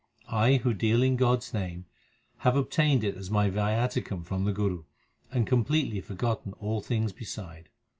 I, who deal in God s name, have obtained it as my viaticum from the Guru, And completely forgotten all things beside.